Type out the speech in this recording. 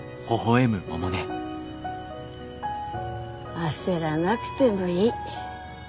焦らなくてもいい。